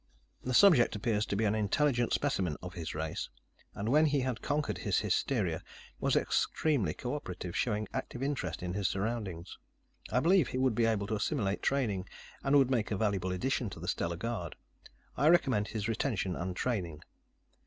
The subject appears to be an intelligent specimen of his race, and when he had conquered his hysteria, was extremely co operative, showing active interest in his surroundings. I believe he would be able to assimilate training, and would make a valuable addition to the Stellar Guard. I recommend his retention and training.